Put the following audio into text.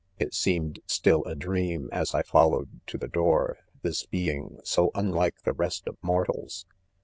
'''*# l ;Mi seemed ! still ; a : dream as 1 followed to the door this being so unlike the rest of mortals.